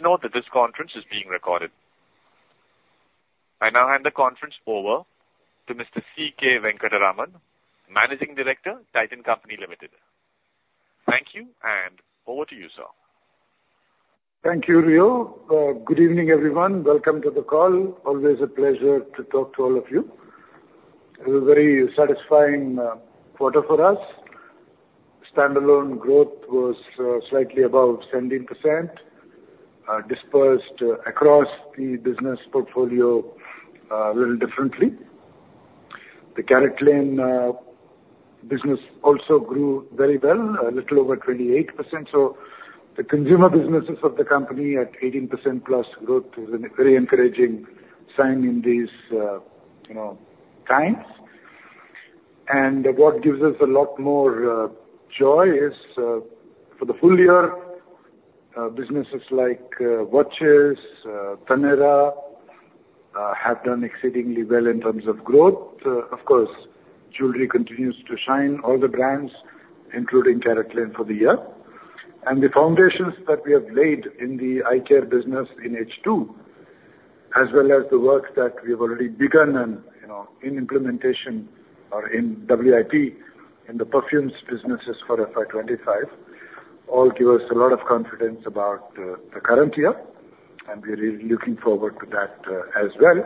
Please note that this conference is being recorded. I now hand the conference over to Mr. C. K. Venkataraman, Managing Director, Titan Company Limited. Thank you, and over to you, sir. Thank you, Ryu. Good evening, everyone. Welcome to the call. Always a pleasure to talk to all of you. It was a very satisfying quarter for us. Standalone growth was slightly above 17%, dispersed across the business portfolio a little differently. The CaratLane business also grew very well, a little over 28%. So the consumer businesses of the company at 18%+ growth is a very encouraging sign in these, you know, times. And what gives us a lot more joy is, for the full year, businesses like Watches, Taneira have done exceedingly well in terms of growth. Of course, jewelry continues to shine, all the brands, including CaratLane for the year. The foundations that we have laid in the eye care business in H2, as well as the work that we have already begun and, you know, in implementation or in WIP in the perfumes businesses for FY2025, all give us a lot of confidence about the current year. We're really looking forward to that, as well.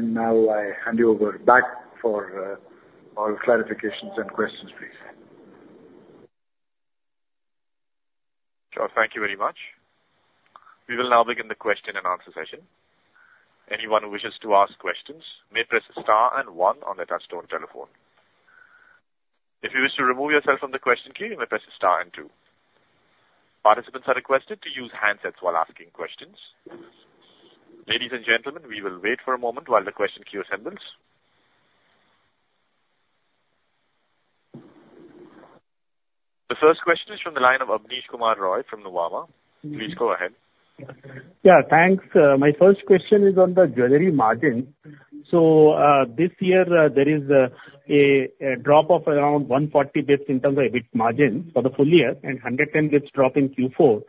Now I hand you over back for all clarifications and questions, please. Sure. Thank you very much. We will now begin the question-and-answer session. Anyone who wishes to ask questions may press star and one on the touch-tone telephone. If you wish to remove yourself from the question queue, you may press star and two. Participants are requested to use handsets while asking questions. Ladies and gentlemen, we will wait for a moment while the question queue assembles. The first question is from the line of Abneesh Roy from Nuvama. Please go ahead. Yeah. Thanks. My first question is on the jewelry margin. So, this year, there is a drop of around 140 bps in terms of EBIT margin for the full year and 110 bps drop in Q4.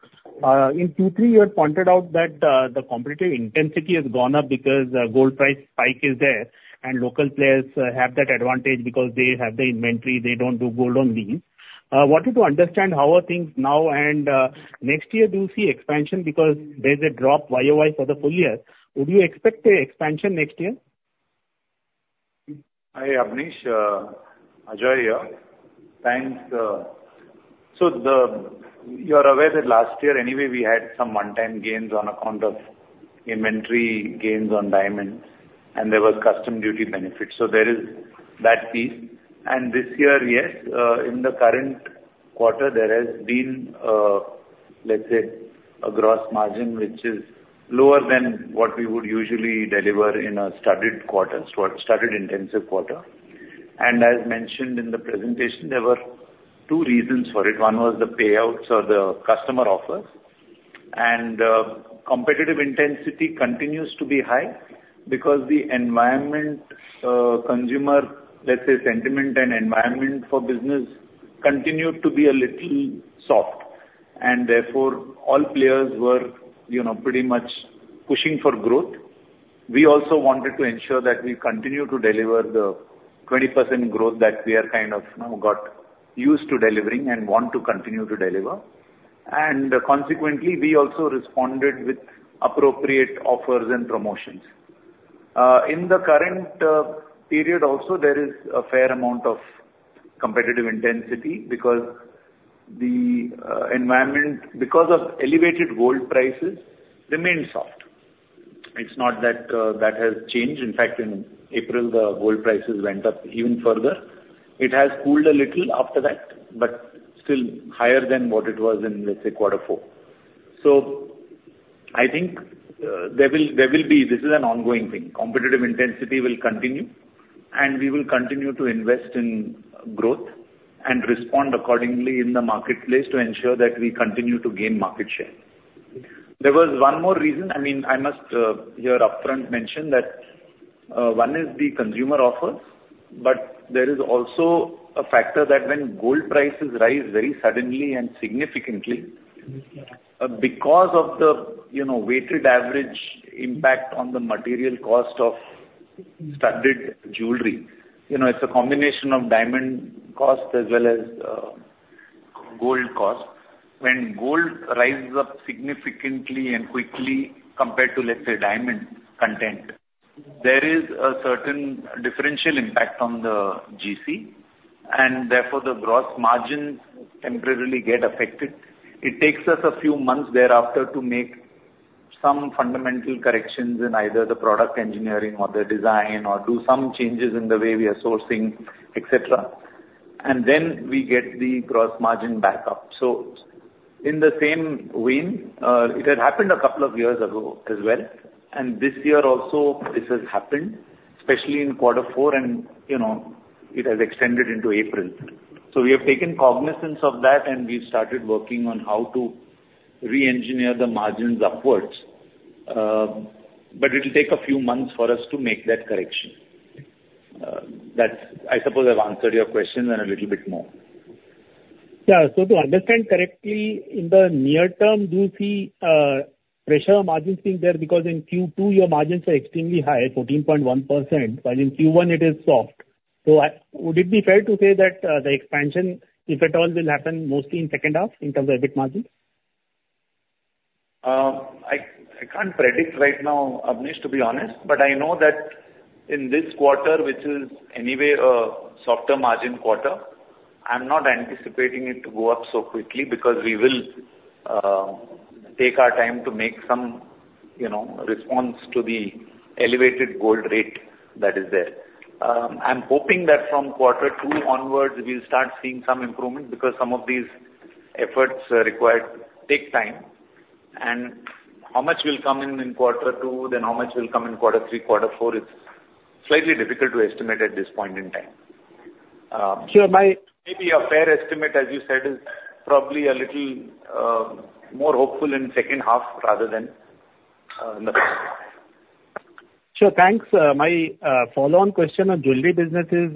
In Q3, you had pointed out that the competitive intensity has gone up because gold price spike is there, and local players have that advantage because they have the inventory. They don't do gold on lease. Wanted to understand how are things now and next year do you see expansion because there's a drop YOY for the full year? Would you expect expansion next year? Hi, Abneesh. Ajoy here. Thanks. So you are aware that last year, anyway, we had some one-time gains on account of inventory gains on diamonds, and there was customs duty benefit. So there is that piece. And this year, yes. In the current quarter, there has been, let's say, a gross margin which is lower than what we would usually deliver in a studded quarter, studded intensive quarter. And as mentioned in the presentation, there were two reasons for it. One was the payouts or the customer offers. And competitive intensity continues to be high because the environment, consumer, let's say, sentiment and environment for business continued to be a little soft. And therefore, all players were, you know, pretty much pushing for growth. We also wanted to ensure that we continue to deliver the 20% growth that we are kind of, you know, got used to delivering and want to continue to deliver. Consequently, we also responded with appropriate offers and promotions. In the current period also, there is a fair amount of competitive intensity because the environment because of elevated gold prices remains soft. It's not that that has changed. In fact, in April, the gold prices went up even further. It has cooled a little after that but still higher than what it was in, let's say, quarter four. So I think there will be. This is an ongoing thing. Competitive intensity will continue, and we will continue to invest in growth and respond accordingly in the marketplace to ensure that we continue to gain market share. There was one more reason. I mean, I must, here upfront mention that, one is the consumer offers. But there is also a factor that when gold prices rise very suddenly and significantly, because of the, you know, weighted average impact on the material cost of studded jewelry you know, it's a combination of diamond cost as well as, gold cost. When gold rises up significantly and quickly compared to, let's say, diamond content, there is a certain differential impact on the GC. And therefore, the gross margins temporarily get affected. It takes us a few months thereafter to make some fundamental corrections in either the product engineering or the design or do some changes in the way we are sourcing, etc. And then we get the gross margin back up. So in the same vein, it had happened a couple of years ago as well. This year also, this has happened, especially in quarter four. You know, it has extended into April. So we have taken cognizance of that, and we've started working on how to re-engineer the margins upwards. But it'll take a few months for us to make that correction. That's, I suppose, I've answered your question and a little bit more. Yeah. So to understand correctly, in the near term, do you see pressure on margins being there because in Q2, your margins are extremely high, 14.1%, while in Q1, it is soft? So would it be fair to say that the expansion, if at all, will happen mostly in the second half in terms of EBIT margin? I can't predict right now, Abneesh, to be honest. But I know that in this quarter, which is anyway a softer margin quarter, I'm not anticipating it to go up so quickly because we will take our time to make some, you know, response to the elevated gold rate that is there. I'm hoping that from quarter two onwards, we'll start seeing some improvement because some of these efforts required take time. And how much will come in in quarter two, then how much will come in quarter three, quarter four, it's slightly difficult to estimate at this point in time. Sure. My. Maybe a fair estimate, as you said, is probably a little more hopeful in the second half rather than in the first half. Sure. Thanks. My follow-on question on jewelry business is,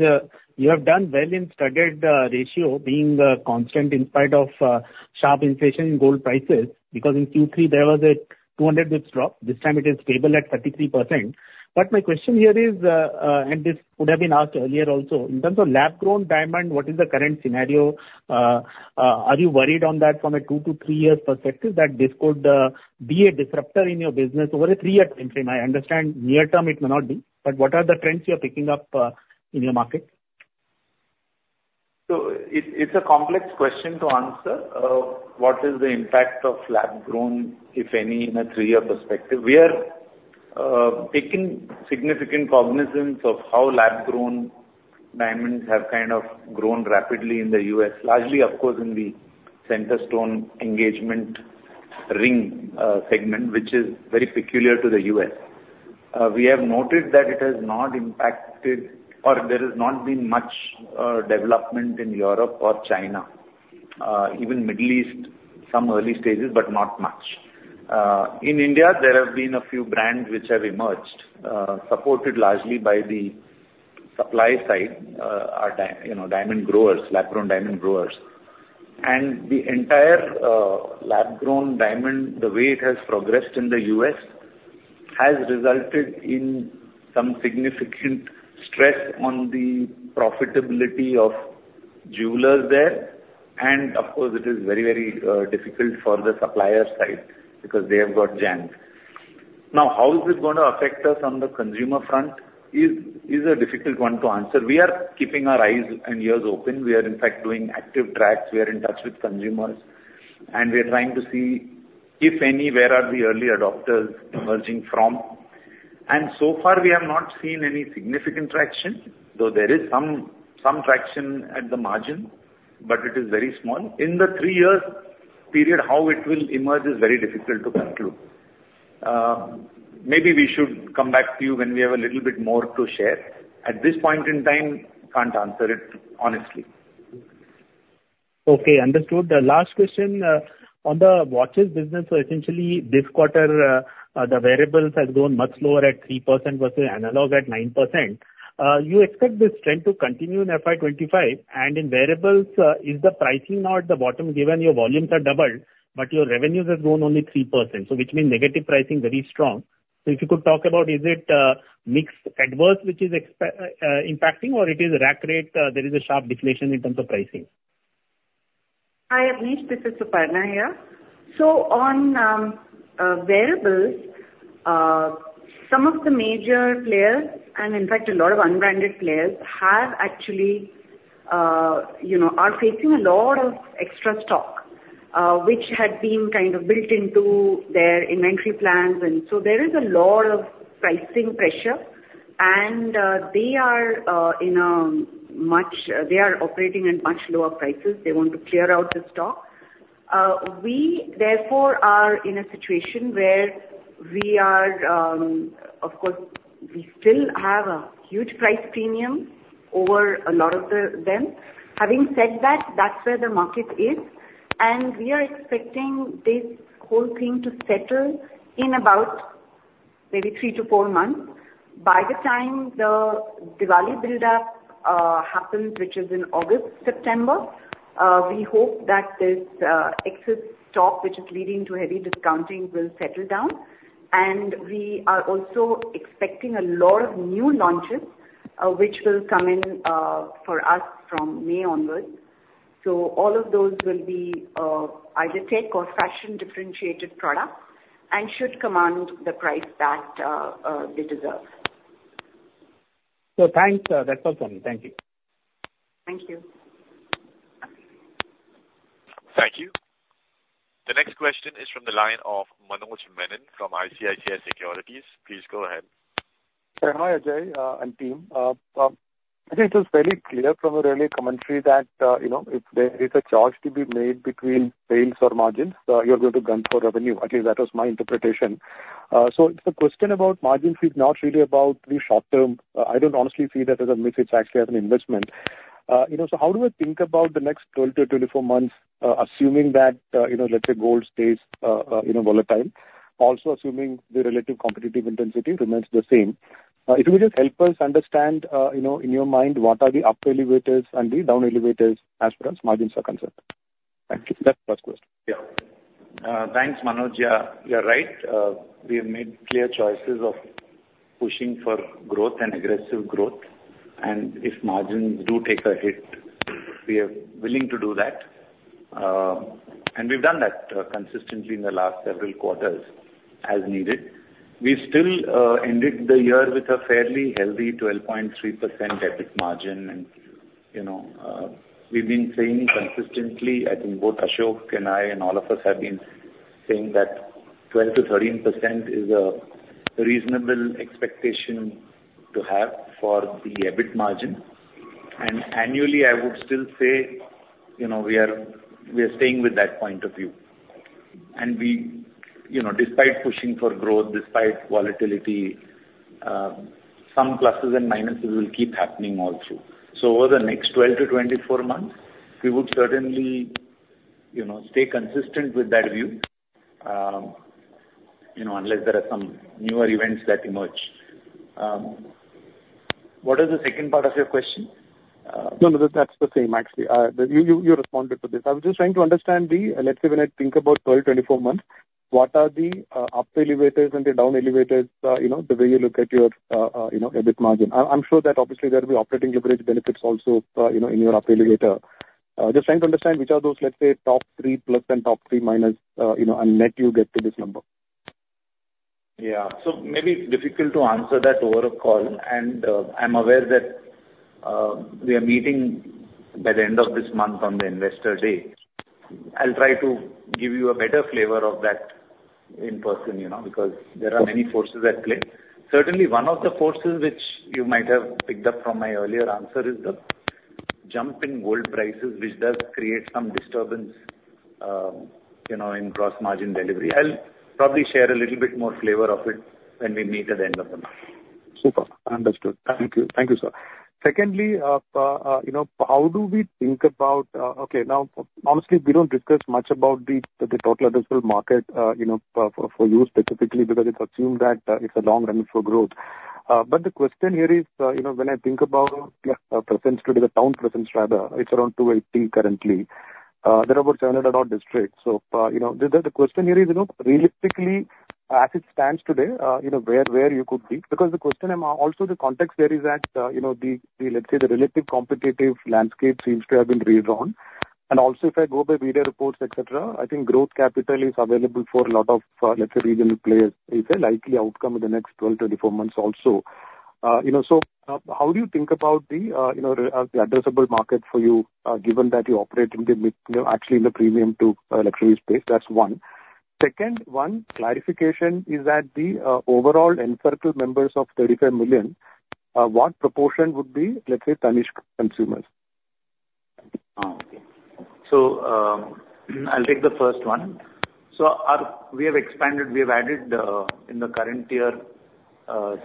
you have done well in studded ratio being constant in spite of sharp inflation in gold prices because in Q3, there was a 200 basis points drop. This time, it is stable at 33%. But my question here is, and this would have been asked earlier also. In terms of lab-grown diamond, what is the current scenario? Are you worried on that from a 2-3 years perspective that this could be a disruptor in your business over a three-year timeframe? I understand near term, it may not be. But what are the trends you are picking up in your market? So it's a complex question to answer, what is the impact of lab-grown, if any, in a three-year perspective. We are taking significant cognizance of how lab-grown diamonds have kind of grown rapidly in the US, largely, of course, in the center stone engagement ring segment, which is very peculiar to the US. We have noted that it has not impacted or there has not been much development in Europe or China, even Middle East, some early stages but not much. In India, there have been a few brands which have emerged, supported largely by the supply side, i.e., you know, diamond growers, lab-grown diamond growers. And the entire lab-grown diamond, the way it has progressed in the US, has resulted in some significant stress on the profitability of jewelers there. And of course, it is very, very difficult for the supplier side because they have got jammed. Now, how is it going to affect us on the consumer front is a difficult one to answer. We are keeping our eyes and ears open. We are, in fact, doing active tracks. We are in touch with consumers. And we are trying to see, if any, where are the early adopters emerging from. And so far, we have not seen any significant traction, though there is some traction at the margin. But it is very small. In the three-year period, how it will emerge is very difficult to conclude. Maybe we should come back to you when we have a little bit more to share. At this point in time, can't answer it, honestly. Okay. Understood. Last question. On the watches business, so essentially, this quarter, the wearables have gone much lower at 3% versus analog at 9%. You expect this trend to continue in FY25. In wearables, is the pricing now at the bottom given your volumes have doubled, but your revenues have grown only 3%, so which means negative pricing very strong? So if you could talk about, is it, mixed adverse which is expected impacting, or it is a rack rate? There is a sharp deflation in terms of pricing. Hi, Abneesh. This is Suparna here. So on wearables, some of the major players and, in fact, a lot of unbranded players have actually, you know, are facing a lot of extra stock, which had been kind of built into their inventory plans. And so there is a lot of pricing pressure. And they are operating at much lower prices. They want to clear out the stock. We therefore are in a situation where we are, of course, we still have a huge price premium over a lot of them. Having said that, that's where the market is. And we are expecting this whole thing to settle in about maybe 3-4 months. By the time the Diwali buildup happens, which is in August, September, we hope that this excess stock which is leading to heavy discounting will settle down. And we are also expecting a lot of new launches, which will come in, for us from May onwards. So all of those will be, either tech or fashion differentiated products and should command the price that, they deserve. So, thanks. That's all from me. Thank you. Thank you. Thank you. The next question is from the line of Manoj Menon from ICICI Securities. Please go ahead. Sure. Hi, Ajoy and team. I think it was very clear from the earlier commentary that, you know, if there is a charge to be made between sales or margins, you're going to gun for revenue. At least, that was my interpretation. So it's a question about margins. It's not really about the short term. I don't honestly see that as a miss. It's actually as an investment. You know, so how do we think about the next 12-24 months, assuming that, you know, let's say, gold stays, you know, volatile, also assuming the relative competitive intensity remains the same? If you could just help us understand, you know, in your mind, what are the up-elevators and the down-elevators as far as margins are concerned? Thank you. That's the first question. Yeah. Thanks, Manoj. Yeah. You're right. We have made clear choices of pushing for growth and aggressive growth. And if margins do take a hit, we are willing to do that. And we've done that consistently in the last several quarters as needed. We still ended the year with a fairly healthy 12.3% EBIT margin. And, you know, we've been saying consistently, I think both Ashok and I and all of us have been saying that 12%-13% is a reasonable expectation to have for the EBIT margin. And annually, I would still say, you know, we are we are staying with that point of view. And we, you know, despite pushing for growth, despite volatility, some pluses and minuses will keep happening all through. So over the next 12-24 months, we would certainly, you know, stay consistent with that view, you know, unless there are some newer events that emerge. What is the second part of your question? No, no. That, that's the same, actually. That you responded to this. I was just trying to understand the, let's say, when I think about 12, 24 months, what are the up-elevators and the down-elevators, you know, the way you look at your, you know, EBIT margin? I'm sure that, obviously, there will be operating leverage benefits also, you know, in your up-elevator. Just trying to understand which are those, let's say, top three plus and top three minus, you know, and net you get to this number. Yeah. So, maybe difficult to answer that over a call. I'm aware that we are meeting by the end of this month on the investor day. I'll try to give you a better flavor of that in person, you know, because there are many forces at play. Certainly, one of the forces which you might have picked up from my earlier answer is the jump in gold prices, which does create some disturbance, you know, in gross margin delivery. I'll probably share a little bit more flavor of it when we meet at the end of the month. Super. Understood. Thank you. Thank you, sir. Secondly, you know, how do we think about, okay. Now, honestly, we don't discuss much about the total addressable market, you know, for, for you specifically because it's assumed that, it's a long run for growth. But the question here is, you know, when I think about, presence today, the town presence rather, it's around 280 currently. There are about 700-odd districts. So, you know, the question here is, you know, realistically, as it stands today, you know, where you could be because the question I'm also the context there is that, you know, the, the let's say, the relative competitive landscape seems to have been redrawn. Also, if I go by media reports, etc., I think growth capital is available for a lot of, let's say, regional players, is a likely outcome in the next 12-24 months also. You know, so, how do you think about the, you know, re the addressable market for you, given that you operate in the mid you know, actually, in the premium to, luxury space? That's one. Second one, clarification is that the, overall Encircle members of 35 million, what proportion would be, let's say, Tanishq consumers? Okay. So, I'll take the first one. So we have expanded. We have added, in the current year,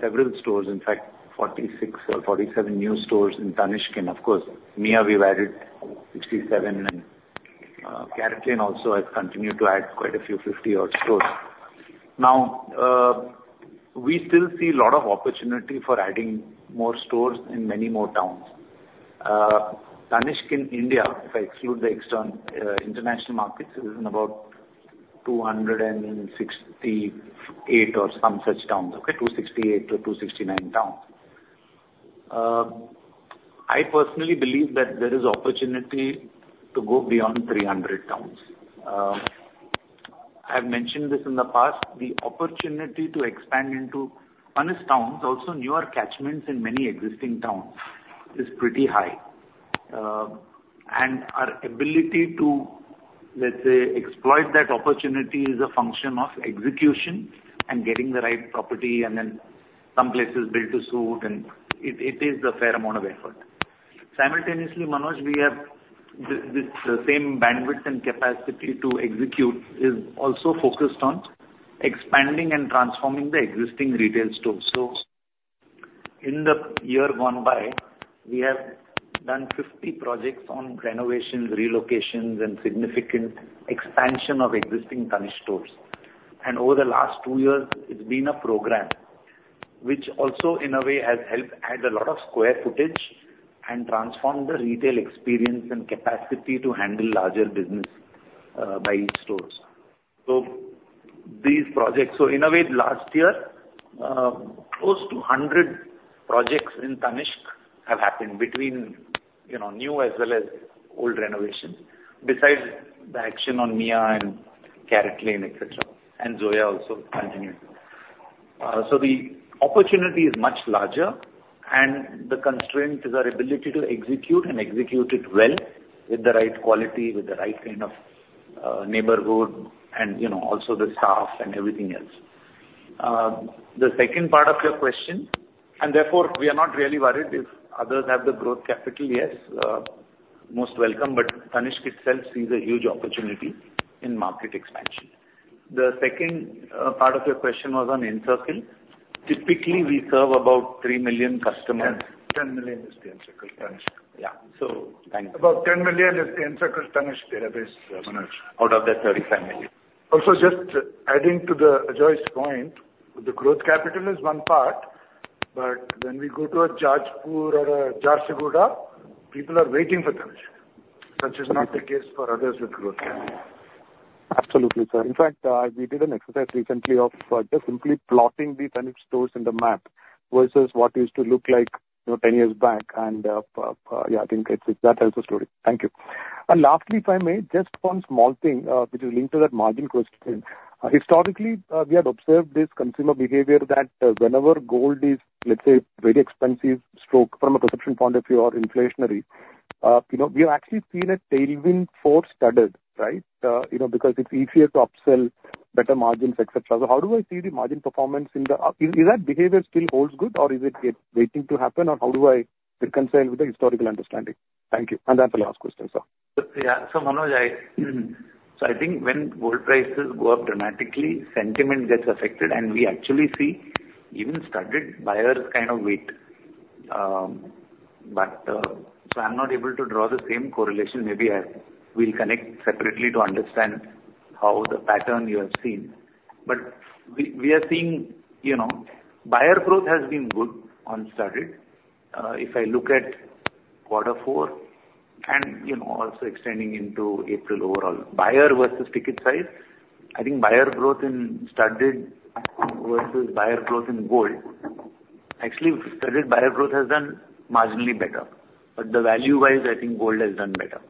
several stores, in fact, 46 or 47 new stores in Tanishq. Of course, Mia, we've added 67. And, CaratLane also has continued to add quite a few 50-odd stores. Now, we still see a lot of opportunity for adding more stores in many more towns. Tanishq India, if I exclude the external international markets, is in about 268 or so towns, okay, 268-269 towns. I personally believe that there is opportunity to go beyond 300 towns. I've mentioned this in the past. The opportunity to expand into hinterland towns, also newer catchments in many existing towns, is pretty high. And our ability to, let's say, exploit that opportunity is a function of execution and getting the right property and then some places built to suit. It is a fair amount of effort. Simultaneously, Manoj, we have this same bandwidth and capacity to execute is also focused on expanding and transforming the existing retail stores. In the year gone by, we have done 50 projects on renovations, relocations, and significant expansion of existing Tanishq stores. Over the last two years, it has been a program which also, in a way, has helped add a lot of square footage and transform the retail experience and capacity to handle larger business, by each store. So these projects, in a way, last year, close to 100 projects in Tanishq have happened between, you know, new as well as old renovations besides the action on Mia and CaratLane etc. And Zoya also continues. So the opportunity is much larger. The constraint is our ability to execute and execute it well with the right quality, with the right kind of neighborhood, and, you know, also the staff and everything else. The second part of your question and therefore, we are not really worried if others have the growth capital. Yes, most welcome. But Tanishq itself sees a huge opportunity in market expansion. The second part of your question was on Encircle. Typically, we serve about three million customers. Yes. 10 million is the Encircle Tanishq. Yeah. So thank you. About 10 million is the Encircle Tanishq database, Manoj. Out of the 35 million. Also, just adding to Ajoy's point, the growth capital is one part. But when we go to a Jajpur or a Jharsuguda, people are waiting for Tanishq; such is not the case for others with growth capital. Absolutely, sir. In fact, we did an exercise recently of just simply plotting the Tanishq stores on the map versus what it used to look like, you know, 10 years back. And, yeah, I think it's that helps the story. Thank you. And lastly, if I may, just one small thing, which is linked to that margin question. Historically, we had observed this consumer behavior that, whenever gold is, let's say, very expensive such from a perception point of view or inflationary, you know, we have actually seen a tailwind for studded, right, you know, because it's easier to upsell better margins, etc. So how do I see the margin performance in this, is that behavior still holds good, or is it waiting to happen, or how do I reconcile with the historical understanding? Thank you. And that's the last question, sir. Yeah. So, Manoj, so I think when gold prices go up dramatically, sentiment gets affected. And we actually see even studded buyers kind of wait. But so I'm not able to draw the same correlation. Maybe I will connect separately to understand how the pattern you have seen. But we are seeing, you know, buyer growth has been good on studded. If I look at quarter four and, you know, also extending into April overall, buyer versus ticket size, I think buyer growth in studded versus buyer growth in gold actually, studded buyer growth has done marginally better. But the value-wise, I think gold has done better.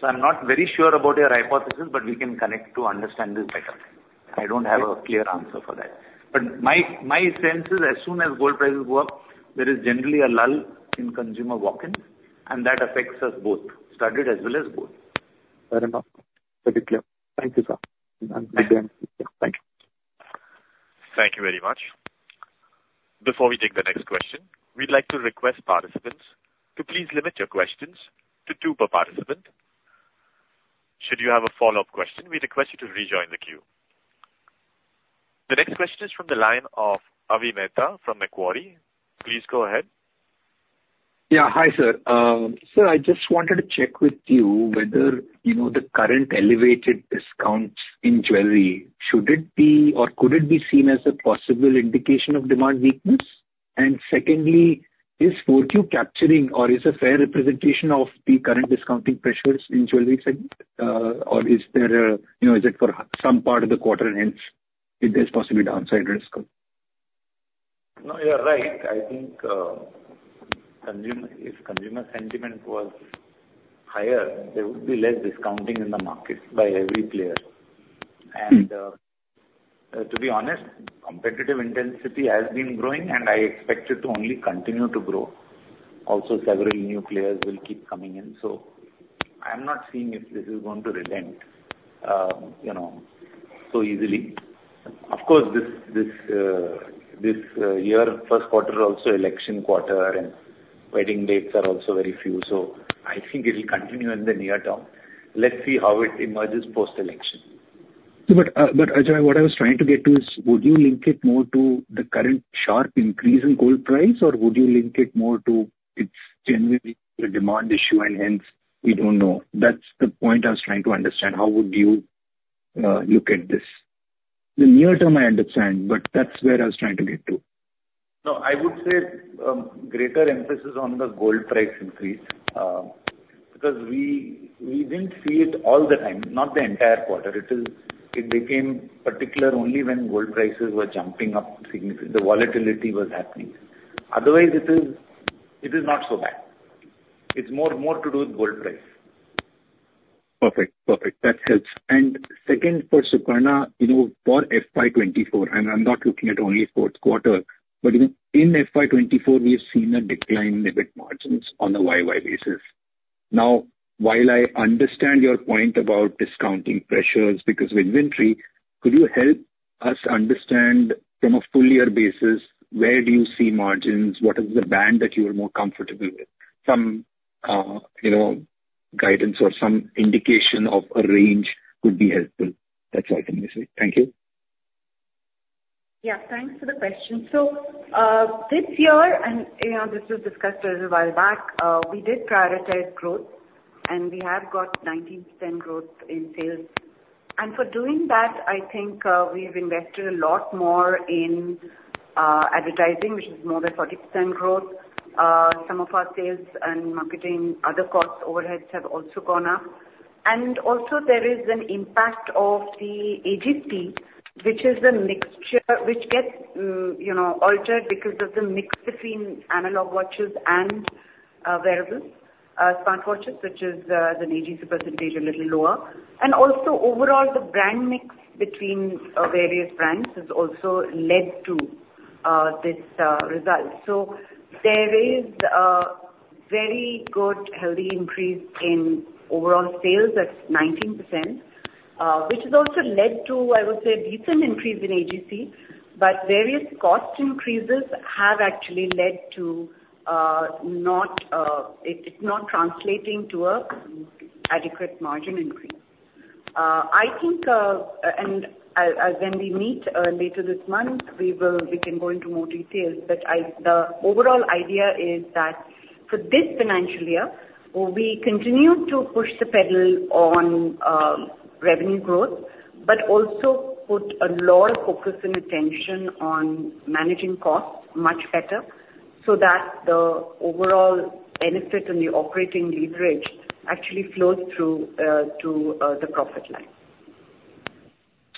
So I'm not very sure about your hypothesis, but we can connect to understand this better. I don't have a clear answer for that. My sense is, as soon as gold prices go up, there is generally a lull in consumer walk-ins. That affects us both, studded as well as gold. Very much pretty clear. Thank you, sir. I'm good to answer. Yeah. Thank you. Thank you very much. Before we take the next question, we'd like to request participants to please limit your questions to two per participant. Should you have a follow-up question, we request you to rejoin the queue. The next question is from the line of Avi Mehta from Macquarie. Please go ahead. Yeah. Hi, sir. sir, I just wanted to check with you whether, you know, the current elevated discounts in jewelry, should it be or could it be seen as a possible indication of demand weakness? And secondly, is 4Q capturing or is a fair representation of the current discounting pressures in jewelry segment, or is there a you know, is it for some part of the quarter, hence, if there's possibly downside risk? No, you're right. I think if consumer sentiment was higher, there would be less discounting in the market by every player. To be honest, competitive intensity has been growing. And I expect it to only continue to grow. Also, several new players will keep coming in. So I'm not seeing if this is going to relent, you know, so easily. Of course, this year, first quarter, also election quarter, and wedding dates are also very few. So I think it'll continue in the near term. Let's see how it emerges post-election. But, Ajoy, what I was trying to get to is, would you link it more to the current sharp increase in gold price, or would you link it more to it's generally a demand issue, and hence, we don't know? That's the point I was trying to understand. How would you, look at this? The near term, I understand. But that's where I was trying to get to. No, I would say, greater emphasis on the gold price increase, because we didn't see it all the time, not the entire quarter. It became particular only when gold prices were jumping up significantly. The volatility was happening. Otherwise, it is not so bad. It's more to do with gold price. Perfect. Perfect. That helps. Second for Suparna, you know, for FY2024 and I'm not looking at only fourth quarter. But in FY2024, we have seen a decline in EBIT margins on a YY basis. Now, while I understand your point about discounting pressures because of inventory, could you help us understand from a full-year basis, where do you see margins? What is the band that you are more comfortable with? Some, you know, guidance or some indication of a range would be helpful. That's all I can say. Thank you. Yeah. Thanks for the question. So, this year and, you know, this was discussed a little while back, we did prioritize growth. We have got 19% growth in sales. For doing that, I think, we've invested a lot more in advertising, which is more than 40% growth. Some of our sales and marketing, other cost overheads have also gone up. Also, there is an impact of the AGP, which is a mixture which gets, you know, altered because of the mix between analog watches and wearables, smartwatches, which is the AGP percentage a little lower. Overall, the brand mix between various brands has also led to this result. So there is a very good, healthy increase in overall sales. That's 19%, which has also led to, I would say, a decent increase in AGP. But various cost increases have actually led to, not, it's not translating to an adequate margin increase. I think, and, when we meet, later this month, we can go into more details. But I the overall idea is that for this financial year, we continue to push the pedal on revenue growth but also put a lot of focus and attention on managing costs much better so that the overall benefit and the operating leverage actually flows through to the profit line.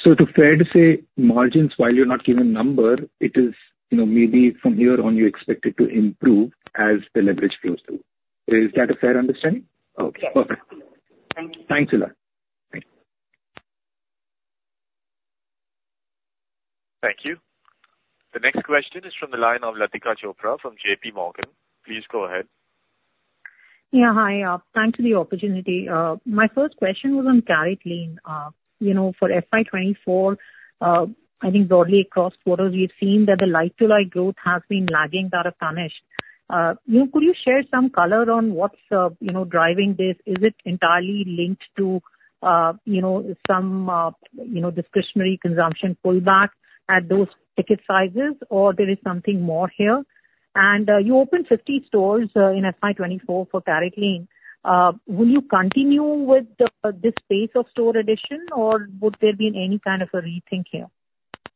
So it's fair to say margins, while you're not given number, it is, you know, maybe from here on, you expect it to improve as the leverage flows through. Is that a fair understanding? Okay. Perfect. Yes. Thank you. Thanks, Ilan. Thanks. Thank you. The next question is from the line of Latika Chopra from JP Morgan. Please go ahead. Yeah. Hi, thanks for the opportunity. My first question was on CaratLane. You know, for FY24, I think broadly across quarters, we've seen that the like-to-like growth has been lagging that of Tanishq. You know, could you share some color on what's, you know, driving this? Is it entirely linked to, you know, some, you know, discretionary consumption pullback at those ticket sizes, or there is something more here? And you opened 50 stores in FY24 for CaratLane. Will you continue with this pace of store addition, or would there be any kind of a rethink here?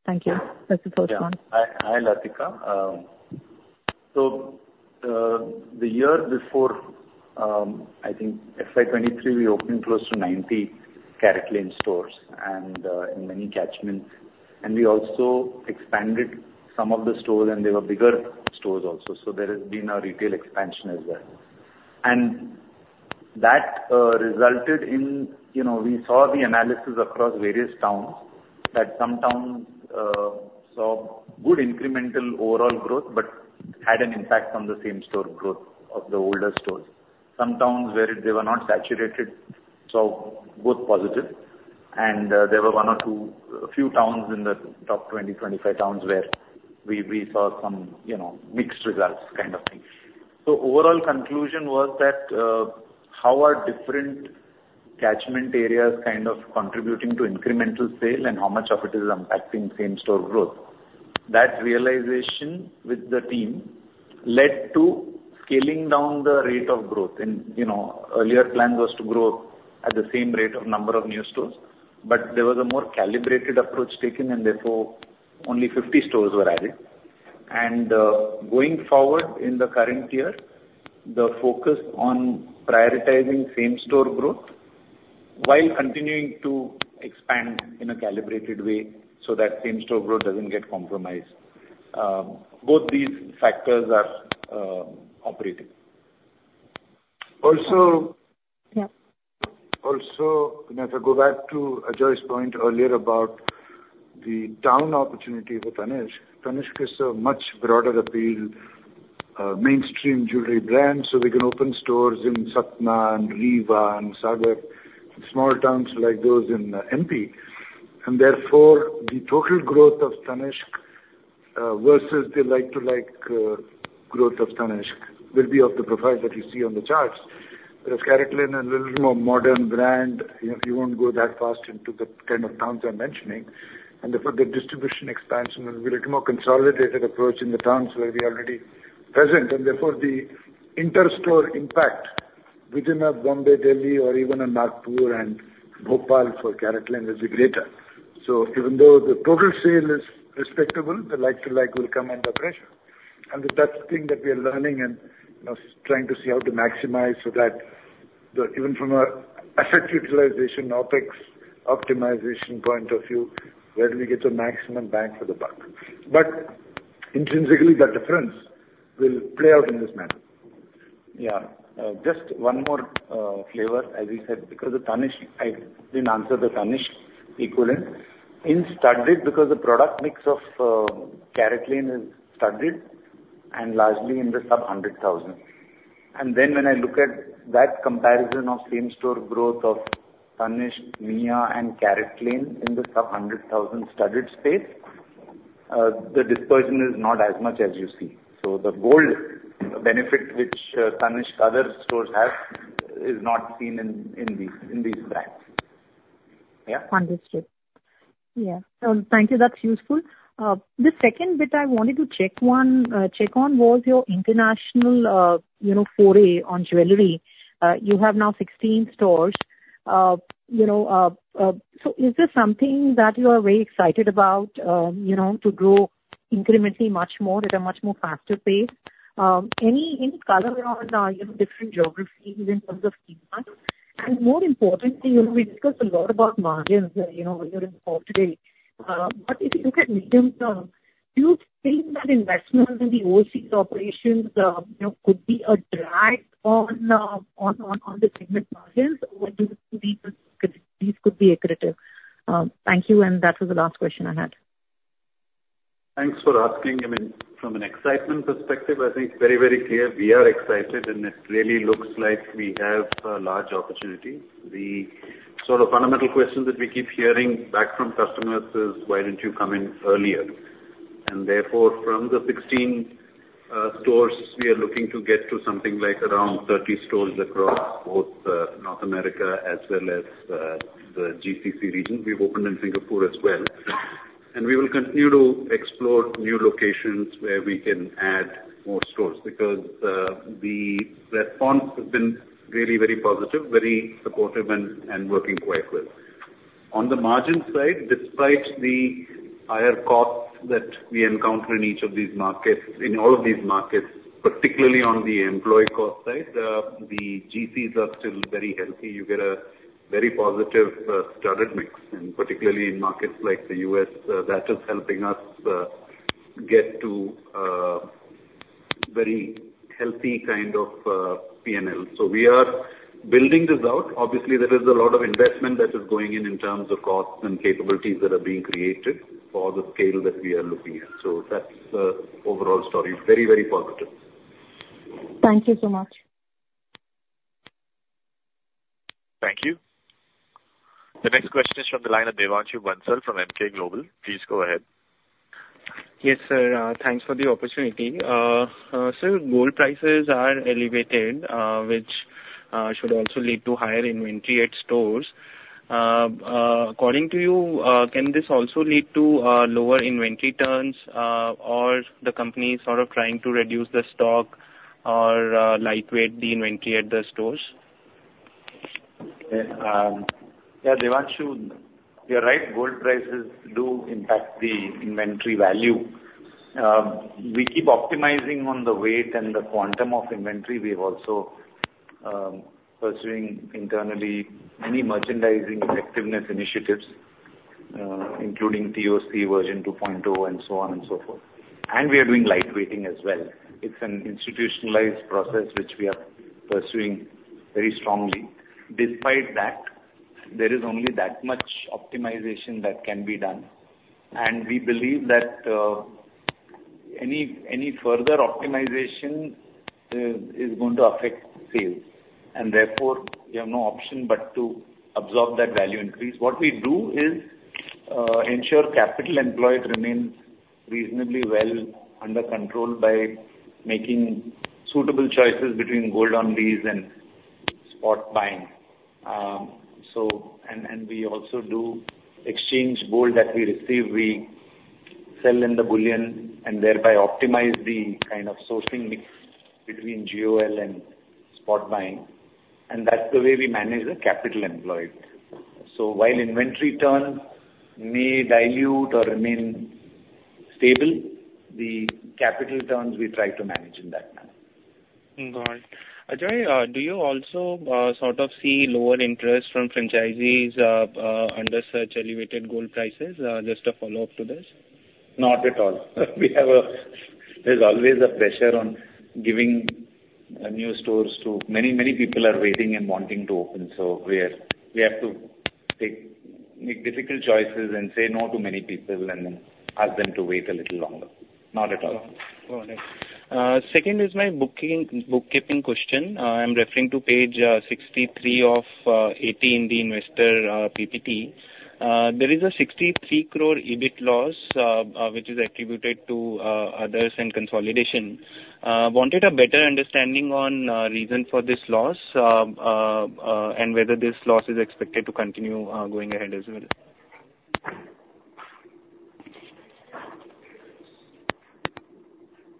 Thank you. That's the first one. Yeah. Hi, hi, Latika. So, the year before, I think FY2023, we opened close to 90 CaratLane stores and, in many catchments. We also expanded some of the stores. They were bigger stores also. So there has been a retail expansion as well. That resulted in, you know, we saw the analysis across various towns that some towns saw good incremental overall growth but had an impact on the same store growth of the older stores. Some towns where they were not saturated saw both positive. There were one or two few towns in the top 20-25 towns where we saw some, you know, mixed results kind of thing. So overall conclusion was that, how are different catchment areas kind of contributing to incremental sale and how much of it is impacting same-store growth? That realization with the team led to scaling down the rate of growth. You know, earlier plans was to grow at the same rate of number of new stores. There was a more calibrated approach taken. Therefore, only 50 stores were added. Going forward in the current year, the focus on prioritizing same-store growth while continuing to expand in a calibrated way so that same-store growth doesn't get compromised, both these factors are operating. Also. Yeah. Also, you know, if I go back to Ajoy's point earlier about the town opportunity with Tanishq, Tanishq is a much broader appeal, mainstream jewelry brand. So we can open stores in Satna and Rewa and Sagar, small towns like those in MP. And therefore, the total growth of Tanishq, versus the like-for-like growth of Tanishq will be of the profile that you see on the charts. Whereas CaratLane, a little more modern brand, you know, you won't go that fast into the kind of towns I'm mentioning. And therefore, the distribution expansion will be a little more consolidated approach in the towns where we are already present. And therefore, the inter-store impact within a Bombay, Delhi, or even a Nagpur and Bhopal for CaratLane will be greater. So even though the total sale is respectable, the like-for-like will come under pressure. That's the thing that we are learning and, you know, trying to see how to maximize so that even from an asset utilization, OPEX optimization point of view, where do we get the maximum bang for the buck? But intrinsically, that difference will play out in this manner. Yeah. Just one more flavor, as you said, because of Tanishq I didn't answer the Tanishq equivalent. In studded, because the product mix of CaratLane is studded and largely in the sub-INR 100,000. And then when I look at that comparison of same-store growth of Tanishq, Mia, and CaratLane in the sub-INR 100,000 studded space, the dispersion is not as much as you see. So the gold benefit, which Tanishq other stores have, is not seen in these brands. Yeah? Understood. Yeah. So thank you. That's useful. The second bit I wanted to check on, check on was your international, you know, foray on jewelry. You have now 16 stores. You know, so is this something that you are very excited about, you know, to grow incrementally much more at a much more faster pace? Any any color on, you know, different geographies in terms of key funds? And more importantly, you know, we discussed a lot about margins, you know, you're in for today. But if you look at medium term, do you think that investments in the overseas operations, you know, could be a drag on, on, on, on the segment margins, or do these could these could be accretive? Thank you. And that was the last question I had. Thanks for asking. I mean, from an excitement perspective, I think it's very, very clear. We are excited. And it really looks like we have a large opportunity. The sort of fundamental question that we keep hearing back from customers is, "Why didn't you come in earlier?" And therefore, from the 16 stores, we are looking to get to something like around 30 stores across both North America as well as the GCC region. We've opened in Singapore as well. And we will continue to explore new locations where we can add more stores because the response has been really very positive, very supportive, and working quite well. On the margin side, despite the higher costs that we encounter in each of these markets in all of these markets, particularly on the employee cost side, the GCs are still very healthy. You get a very positive studded mix. Particularly in markets like the U.S., that is helping us get to very healthy kind of P&L. So we are building this out. Obviously, there is a lot of investment that is going in in terms of costs and capabilities that are being created for the scale that we are looking at. So that's the overall story. Very, very positive. Thank you so much. Thank you. The next question is from the line of Devanshu Bansal from Emkay Global. Please go ahead. Yes, sir. Thanks for the opportunity. Sir, gold prices are elevated, which should also lead to higher inventory at stores. According to you, can this also lead to lower inventory turns, or the company sort of trying to reduce the stock or lightweight the inventory at the stores? Okay. Yeah, Devanshu, you're right. Gold prices do impact the inventory value. We keep optimizing on the weight and the quantum of inventory. We're also pursuing internally many merchandising effectiveness initiatives, including TOC version 2.0 and so on and so forth. We are doing lightweighting as well. It's an institutionalized process, which we are pursuing very strongly. Despite that, there is only that much optimization that can be done. We believe that any further optimization is going to affect sales. Therefore, you have no option but to absorb that value increase. What we do is ensure capital employed remains reasonably well under control by making suitable choices between gold-on-lease and spot buying. So, and we also do exchange gold that we receive. We sell in the bullion and thereby optimize the kind of sourcing mix between GOL and spot buying. That's the way we manage the capital employed. So while inventory turns may dilute or remain stable, the capital turns, we try to manage in that manner. Got it. Ajoy, do you also, sort of see lower interest from franchisees, under such elevated gold prices, just a follow-up to this? Not at all. There's always a pressure on giving new stores. Many, many people are waiting and wanting to open. So we have to make difficult choices and say no to many people and then ask them to wait a little longer. Not at all. Got it. Got it. Second is my booking bookkeeping question. I'm referring to page 63 of 80 in the investor PPT. There is a 63 crore EBIT loss, which is attributed to others and consolidation. Wanted a better understanding on reason for this loss, and whether this loss is expected to continue going ahead as well. Is it?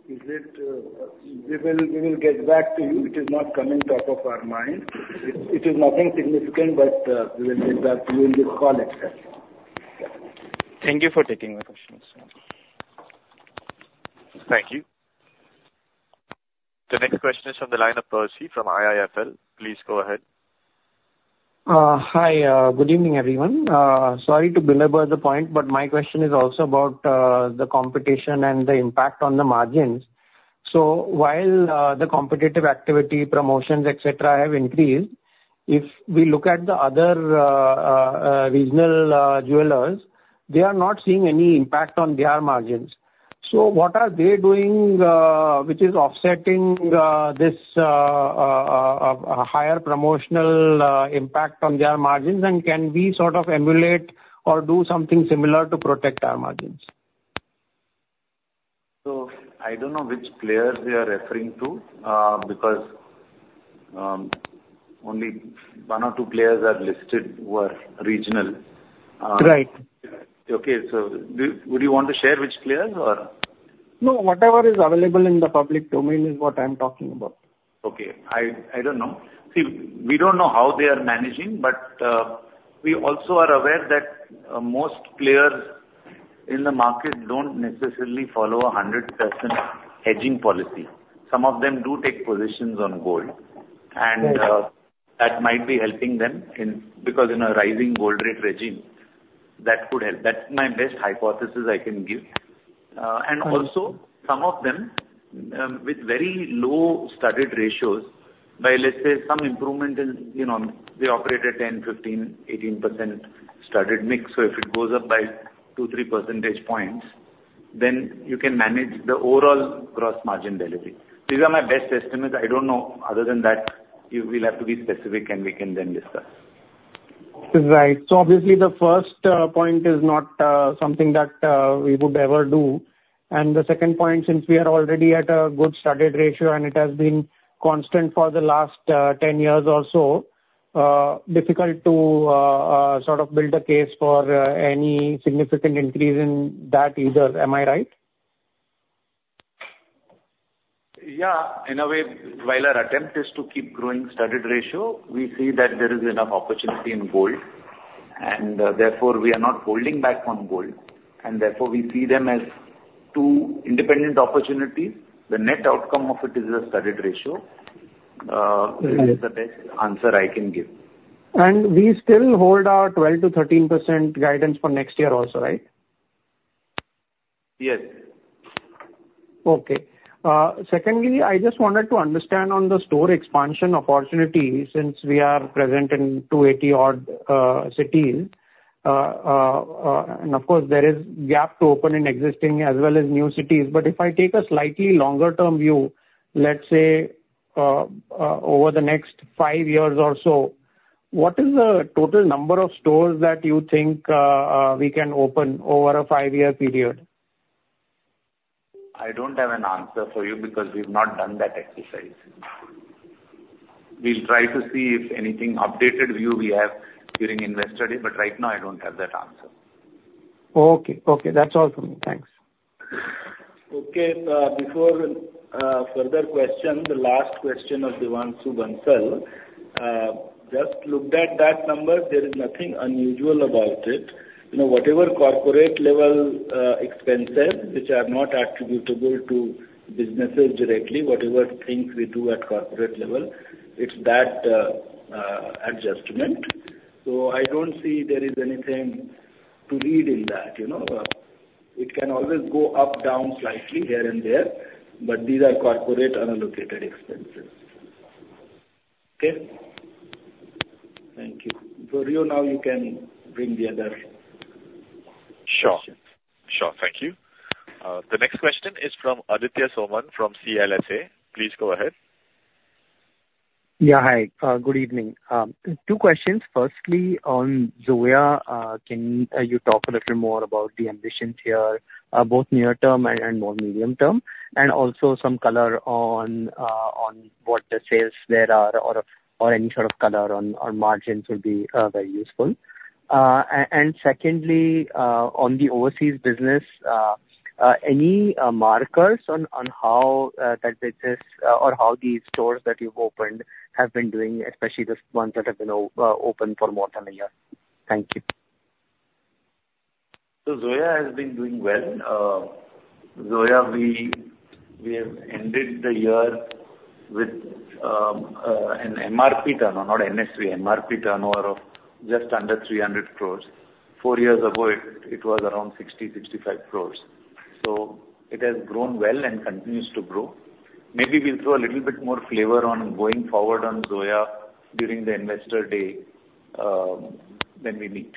We will get back to you. It is not coming top of our mind. It is nothing significant. But, we will get back to you in this call itself. Yeah. Thank you for taking my questions. Thank you. The next question is from the line of Percy from IIFL. Please go ahead. Hi. Good evening, everyone. Sorry to belabor the point. But my question is also about the competition and the impact on the margins. So while the competitive activity, promotions, etc., have increased, if we look at the other regional jewelers, they are not seeing any impact on their margins. So what are they doing which is offsetting this higher promotional impact on their margins? And can we sort of emulate or do something similar to protect our margins? I don't know which players we are referring to, because only one or two players are listed who are regional. Right. Okay. So, do you want to share which players, or? No. Whatever is available in the public domain is what I'm talking about. Okay. I, I don't know. See, we don't know how they are managing. But, we also are aware that most players in the market don't necessarily follow a 100% hedging policy. Some of them do take positions on gold. And, Right. That might be helping them in because in a rising gold rate regime, that could help. That's my best hypothesis I can give. And also, some of them, with very low studded ratios, by, let's say, some improvement in, you know, they operate at 10%, 15%, 18% studded mix. So if it goes up by 2-3 percentage points, then you can manage the overall gross margin delivery. These are my best estimates. I don't know. Other than that, you will have to be specific. And we can then discuss. Right. So obviously, the first point is not something that we would ever do. And the second point, since we are already at a good studded ratio, and it has been constant for the last 10 years or so, difficult to sort of build a case for any significant increase in that either. Am I right? Yeah. In a way, while our attempt is to keep growing studded ratio, we see that there is enough opportunity in gold. And, therefore, we are not holding back on gold. And therefore, we see them as two independent opportunities. The net outcome of it is the studded ratio, is the best answer I can give. We still hold our 12%-13% guidance for next year also, right? Yes. Okay. Secondly, I just wanted to understand on the store expansion opportunity since we are present in 280-odd cities. And of course, there is gap to open in existing as well as new cities. But if I take a slightly longer-term view, let's say, over the next five years or so, what is the total number of stores that you think we can open over a five-year period? I don't have an answer for you because we've not done that exercise. We'll try to see if anything updated view we have during Investor Day. But right now, I don't have that answer. Okay. Okay. That's all from me. Thanks. Okay. Before further question, the last question of Devanshu Bansal, just looked at that number. There is nothing unusual about it. You know, whatever corporate level expenses, which are not attributable to businesses directly, whatever things we do at corporate level, it's that adjustment. So I don't see there is anything to read in that, you know. It can always go up, down slightly here and there. But these are corporate unallocated expenses. Okay? Thank you. Kuruvilla, now you can bring the other questions. Sure. Sure. Thank you. The next question is from Aditya Soman from CLSA. Please go ahead. Yeah. Hi. Good evening. Two questions. Firstly, on Zoya, can you talk a little more about the ambitions here, both near-term and more medium-term? And also, some color on what the sales there are or any sort of color on margins would be very useful. And secondly, on the overseas business, any markers on how that business or how these stores that you've opened have been doing, especially the ones that have been open for more than a year? Thank you. So Zoya has been doing well. Zoya, we have ended the year with an MRP turnover, not NSV, MRP turnover of just under 300 crore. Four years ago, it was around 60-65 crore. So it has grown well and continues to grow. Maybe we'll throw a little bit more flavor on going forward on Zoya during the Investor Day, when we meet.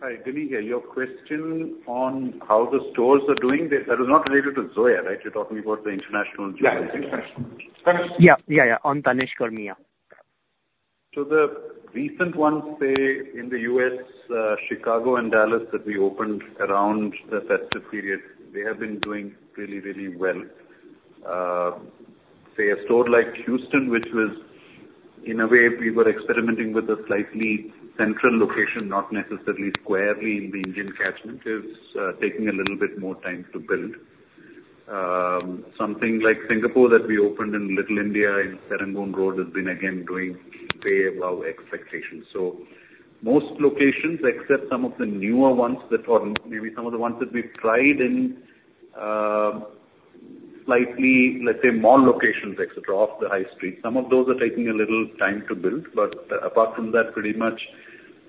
Hi. Can you hear? Your question on how the stores are doing, that, that is not related to Zoya, right? You're talking about the international jewelers. Yeah. International. Tanishq. Yeah. Yeah. Yeah. On Tanishq, Kuruvilla. So the recent ones, say, in the US, Chicago and Dallas that we opened around the festive period, they have been doing really, really well. Say, a store like Houston, which was in a way, we were experimenting with a slightly central location, not necessarily squarely in the Indian catchment, is taking a little bit more time to build. Something like Singapore that we opened in Little India in Serangoon Road has been, again, doing way above expectations. So most locations, except some of the newer ones that or maybe some of the ones that we've tried in, slightly, let's say, mall locations, etc., off the high street, some of those are taking a little time to build. But apart from that, pretty much,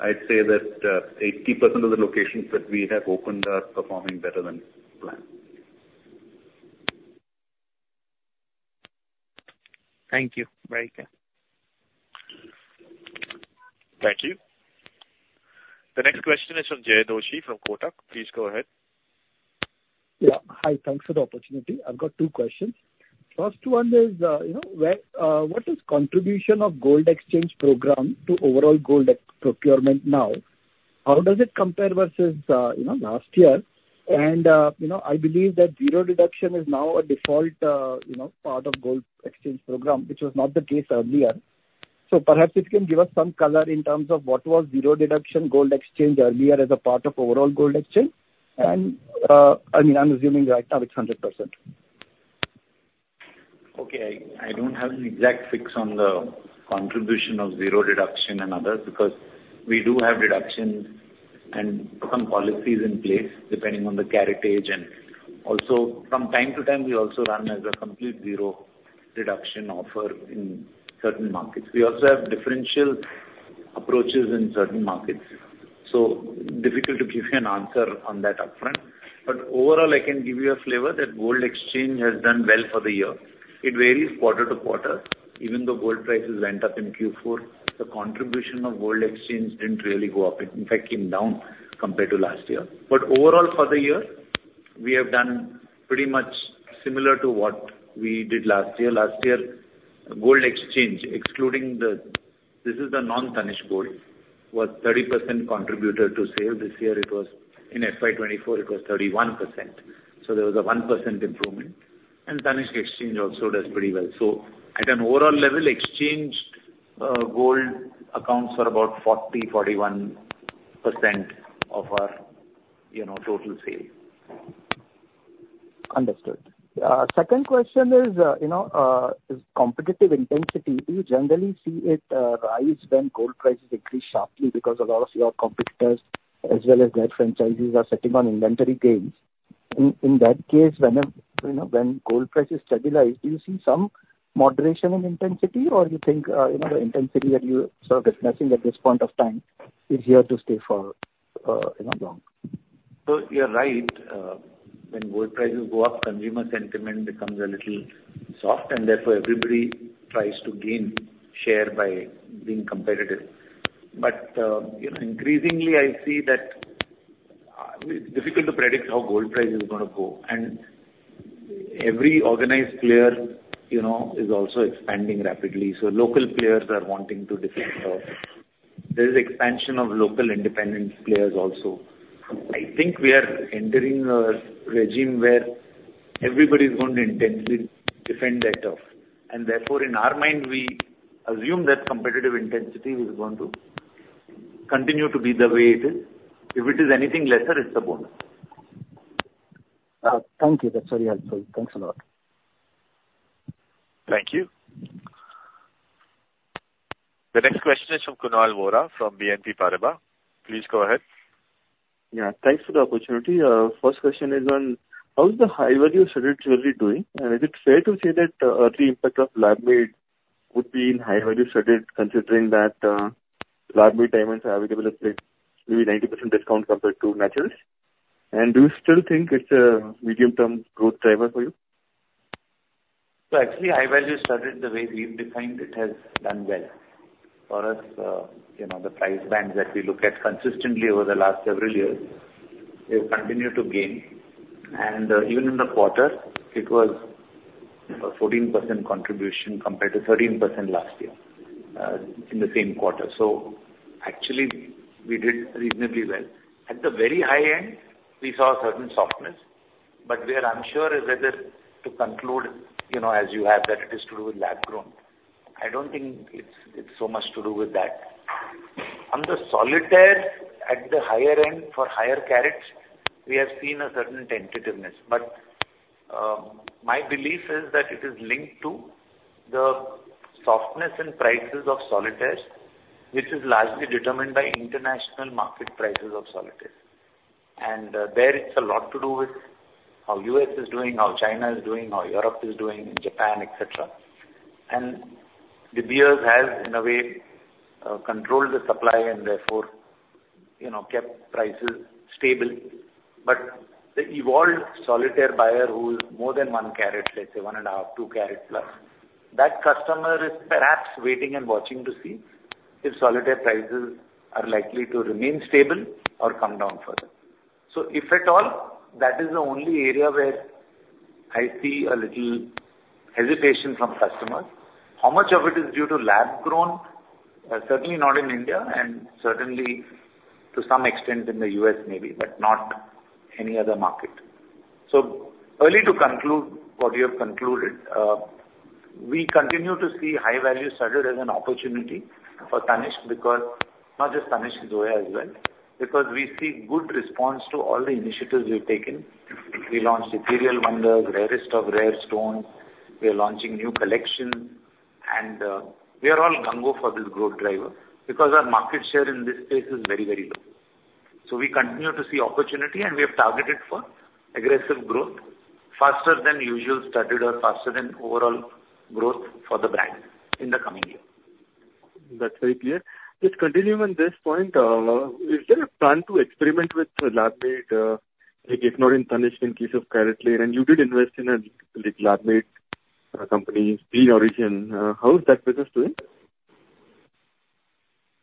I'd say that 80% of the locations that we have opened are performing better than planned. Thank you, Raika. Thank you. The next question is from Jaykumar Doshi from Kotak. Please go ahead. Yeah. Hi. Thanks for the opportunity. I've got two questions. First one is, you know, what is contribution of gold exchange program to overall gold exchange procurement now? How does it compare versus, you know, last year? And, you know, I believe that zero deduction is now a default, you know, part of gold exchange program, which was not the case earlier. So perhaps if you can give us some color in terms of what was zero deduction gold exchange earlier as a part of overall gold exchange. And, I mean, I'm assuming right now, it's 100%. Okay. I, I don't have an exact fix on the contribution of zero deduction and others because we do have deductions and some policies in place depending on the karatage. And also, from time to time, we also run as a complete zero deduction offer in certain markets. We also have differential approaches in certain markets. So difficult to give you an answer on that upfront. But overall, I can give you a flavor that gold exchange has done well for the year. It varies quarter to quarter. Even though gold prices went up in Q4, the contribution of gold exchange didn't really go up. It, in fact, came down compared to last year. But overall, for the year, we have done pretty much similar to what we did last year. Last year, gold exchange, excluding the this is the non-Tanishq gold, was 30% contributor to sale. This year, it was in FY2024, it was 31%. So there was a 1% improvement. And Tanishq exchange also does pretty well. So at an overall level, exchanged gold accounts for about 40%-41% of our, you know, total sale. Understood. Second question is, you know, is competitive intensity do you generally see it rise when gold prices increase sharply because a lot of your competitors, as well as their franchisees, are sitting on inventory gains? In that case, when you know, when gold prices stabilize, do you see some moderation in intensity? Or you think, you know, the intensity that you're sort of discussing at this point of time is here to stay for, you know, long? So you're right. When gold prices go up, consumer sentiment becomes a little soft. And therefore, everybody tries to gain share by being competitive. But, you know, increasingly, I see that, it's difficult to predict how gold price is going to go. And every organized player, you know, is also expanding rapidly. So local players are wanting to defend, there is expansion of local independent players also. I think we are entering a regime where everybody is going to intensely defend their turf. And therefore, in our mind, we assume that competitive intensity is going to continue to be the way it is. If it is anything lesser, it's a bonus. Thank you. That's very helpful. Thanks a lot. Thank you. The next question is from Kunal Vora from BNP Paribas. Please go ahead. Yeah. Thanks for the opportunity. First question is on how is the high-value studded jewelry doing? And is it fair to say that, early impact of Lab-made would be in high-value studded considering that, Lab-made diamonds are available at maybe 90% discount compared to naturals? And do you still think it's a medium-term growth driver for you? So actually, high-value studded, the way we've defined it, has done well for us. You know, the price bands that we look at consistently over the last several years, they've continued to gain. And, even in the quarter, it was a 14% contribution compared to 13% last year, in the same quarter. So actually, we did reasonably well. At the very high end, we saw a certain softness. But where I'm sure is whether to conclude, you know, as you have, that it is to do with lab-grown. I don't think it's, it's so much to do with that. On the solitaire at the higher end for higher carats, we have seen a certain tentativeness. But, my belief is that it is linked to the softness in prices of solitaires, which is largely determined by international market prices of solitaires. There, it's a lot to do with how the U.S. is doing, how China is doing, how Europe is doing, and Japan, etc. The bears have, in a way, controlled the supply and therefore, you know, kept prices stable. But the evolved solitaire buyer who is more than 1 carat, let's say, 1.5, 2 carat plus, that customer is perhaps waiting and watching to see if solitaire prices are likely to remain stable or come down further. So if at all, that is the only area where I see a little hesitation from customers. How much of it is due to lab-grown? Certainly not in India and certainly, to some extent, in the U.S. maybe, but not any other market. So early to conclude what you have concluded, we continue to see high-value studded as an opportunity for Tanishq because not just Tanishq, Zoya as well, because we see good response to all the initiatives we've taken. We launched Ethereal Wonders, Rarest of Rare Stones. We are launching new collections. We are all gung ho for this growth driver because our market share in this space is very, very low. So we continue to see opportunity. We have targeted for aggressive growth faster than usual studded or faster than overall growth for the brand in the coming year. That's very clear. Just continuing on this point, is there a plan to experiment with lab-made, like, if not in Tanishq, in case of CaratLane? And you did invest in a, like, lab-made company, Clean Origin. How is that business doing?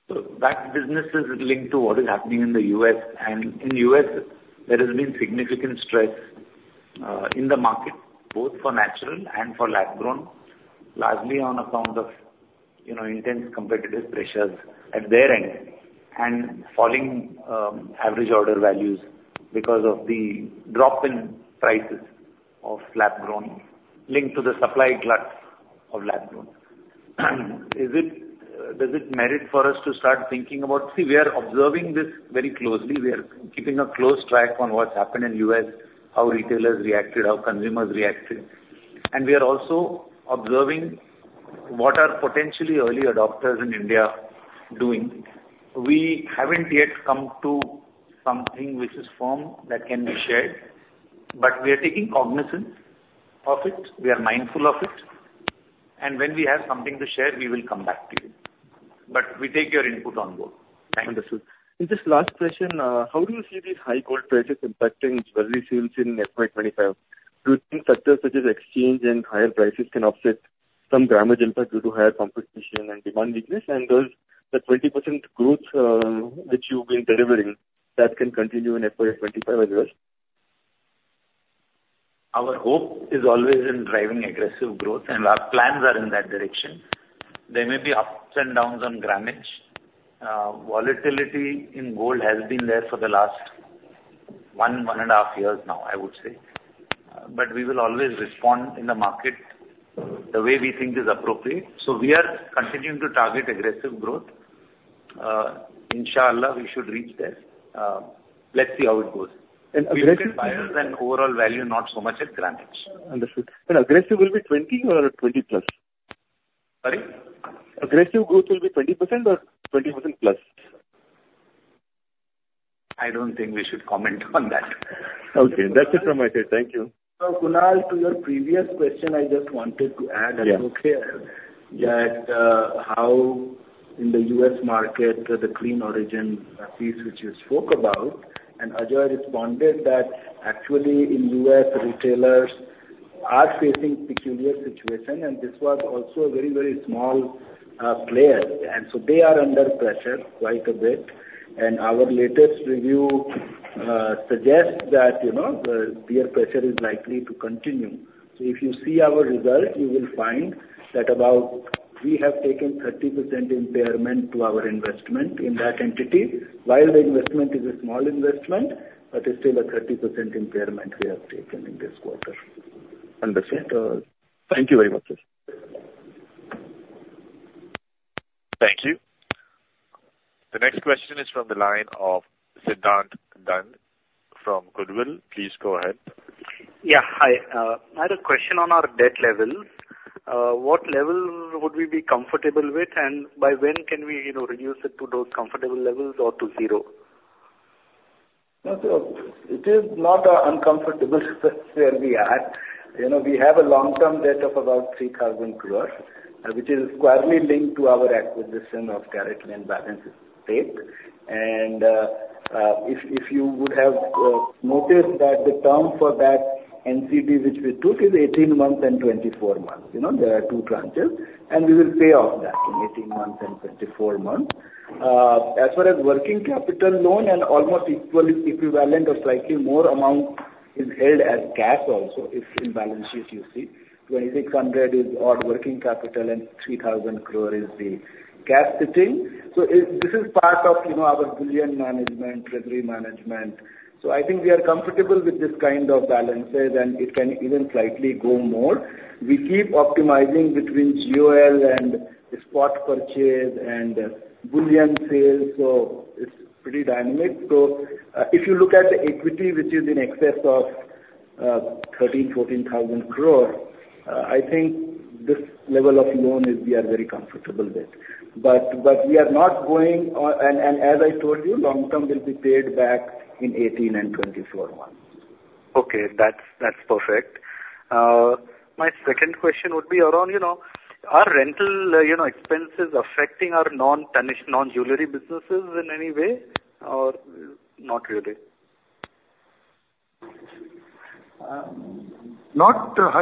So that business is linked to what is happening in the U.S. And in the U.S., there has been significant stress in the market, both for natural and for lab-grown, largely on account of, you know, intense competitive pressures at their end and falling average order values because of the drop in prices of lab-grown linked to the supply glut of lab-grown. Is it? Does it merit for us to start thinking about? See, we are observing this very closely. We are keeping a close track on what's happened in the U.S., how retailers reacted, how consumers reacted. And we are also observing what are potentially early adopters in India doing. We haven't yet come to something which is firm that can be shared. But we are taking cognizance of it. We are mindful of it. And when we have something to share, we will come back to you. We take your input on both. Thank you. Understood. In this last question, how do you see these high gold prices impacting jewelry sales in FY25? Do you think factors such as exchange and higher prices can offset some damage impact due to higher competition and demand weakness? Does the 20% growth, which you've been delivering, that can continue in FY25 as well? Our hope is always in driving aggressive growth. Our plans are in that direction. There may be ups and downs on grammage. Volatility in gold has been there for the last 1, 1.5 years now, I would say. We will always respond in the market the way we think is appropriate. We are continuing to target aggressive growth. Inshallah, we should reach there. Let's see how it goes. And aggressive. We look at buyers and overall value, not so much at gramage. Understood. Aggressive will be 20 or 20+? Sorry? Aggressive growth will be 20% or 20% plus? I don't think we should comment on that. Okay. That's it from my side. Thank you. Kunal, to your previous question, I just wanted to add. Yes. If you're okay that, how in the U.S. market, the Clean Origin piece which you spoke about, and Ajoy responded that actually, in the U.S., retailers are facing a peculiar situation. And this was also a very, very small, player. And so they are under pressure quite a bit. And our latest review suggests that, you know, the bear pressure is likely to continue. So if you see our results, you will find that about we have taken 30% impairment to our investment in that entity while the investment is a small investment. But it's still a 30% impairment we have taken in this quarter. Understood. Thank you very much, sir. Thank you. The next question is from the line of Siddhant Dand from Goodwill. Please go ahead. Yeah. Hi. I had a question on our debt levels. What level would we be comfortable with? And by when can we, you know, reduce it to those comfortable levels or to zero? Well, so it is not uncomfortable where we are. You know, we have a long-term debt of about 3,000 crore, which is squarely linked to our acquisition of CaratLane. And, if, if you would have noticed that the term for that NCD which we took is 18 months and 24 months. You know, there are two tranches. And we will pay off that in 18 months and 24 months. As far as working capital loan and almost equally equivalent or slightly more amount is held as cash also if in balance sheet, you see. 2,600-odd working capital, and 3,000 crore is the cash sitting. So this is part of, you know, our bullion management, treasury management. So I think we are comfortable with this kind of balances. And it can even slightly go more. We keep optimizing between GOL and spot purchase and bullion sales. So it's pretty dynamic. So, if you look at the equity which is in excess of 13,000-14,000 crore, I think this level of loan is we are very comfortable with. But we are not going on and as I told you, long-term will be paid back in 18 and 24 months. Okay. That's, that's perfect. My second question would be around, you know, are rental, you know, expenses affecting our non-Tanishq non-jewelry businesses in any way or not really? No,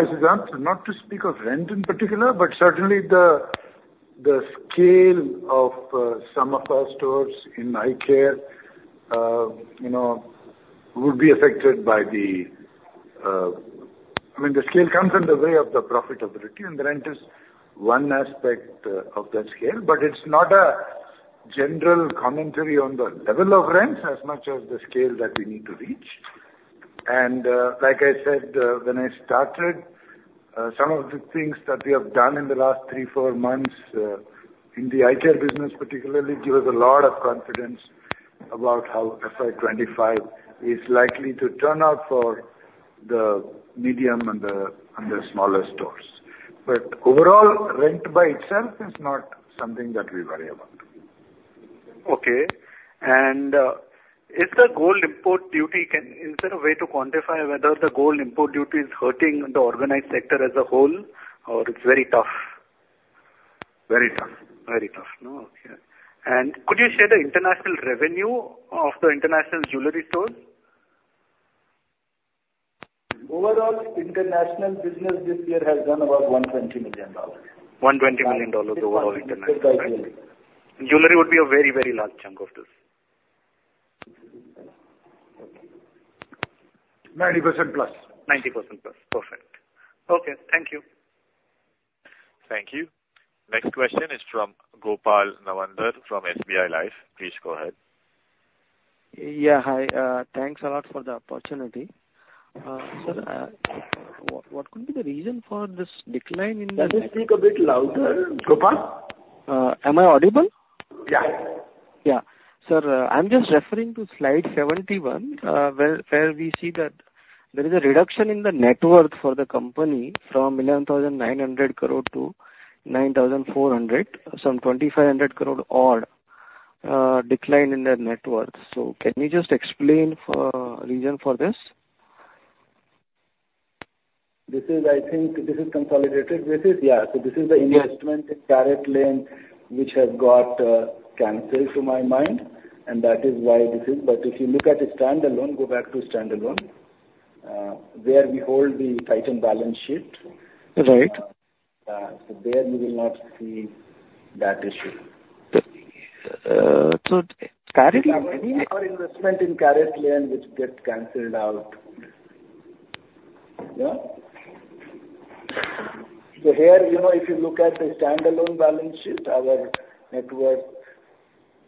Siddhant. Not to speak of rent in particular. But certainly, the scale of some of our stores in eye care, you know, would be affected by the, I mean, the scale comes in the way of the profitability. And the rent is one aspect of that scale. But it's not a general commentary on the level of rents as much as the scale that we need to reach. And, like I said, when I started, some of the things that we have done in the last three, four months in the eye care business particularly give us a lot of confidence about how FY25 is likely to turn out for the medium and the smaller stores. But overall, rent by itself is not something that we worry about. Okay. And, is there a way to quantify whether the gold import duty is hurting the organized sector as a whole or it's very tough? Very tough. Very tough. No, okay. And could you share the international revenue of the international jewelry stores? Overall, international business this year has done about $120 million. $120 million overall international. Yeah. Yeah. Yeah. Yeah. Jewelry would be a very, very large chunk of this. 90% plus. 90% plus. Perfect. Okay. Thank you. Thank you. Next question is from Gopal Nawandhar from SBI Life. Please go ahead. Yeah. Hi. Thanks a lot for the opportunity. Sir, what, what could be the reason for this decline in the. Can you speak a bit louder, Gopal? Am I audible? Yeah. Yeah. Sir, I'm just referring to slide 71, where we see that there is a reduction in the net worth for the company from INR 1,900 crore-INR 9,400 crore, some INR 2,500 crore odd decline in their net worth. So can you just explain reason for this? This is, I think, this is consolidated. This is, yeah. So this is the investment in CaratLane which has got, canceled to my mind. And that is why this is. But if you look at it standalone, go back to standalone, where we hold the Titan balance sheet. Right. There, you will not see that issue. So, CaratLane. And our investment in CaratLane which gets canceled out? Yeah? So here, you know, if you look at the standalone balance sheet, our net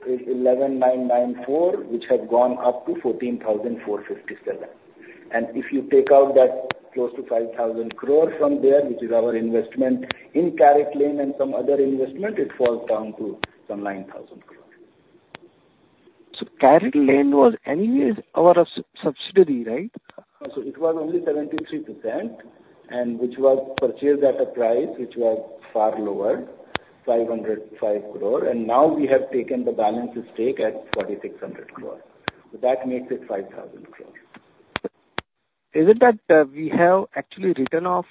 worth is 11,994 which has gone up to 14,457. And if you take out that close to 5,000 crore from there, which is our investment in CaratLane and some other investment, it falls down to some 9,000 crore. CaratLane was anyways our subsidiary, right? So it was only 73% and which was purchased at a price which was far lower, 505 crore. And now, we have taken the balance stake at 4,600 crore. So that makes it 5,000 crore. Is it that we have actually written off